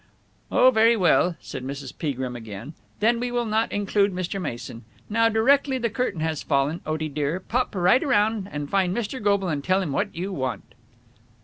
"Oh, very well," said Mrs. Peagrim again. "Then we will not include Mr. Mason. Now, directly the curtain has fallen, Otie dear, pop right round and find Mr. Goble and tell him what you want."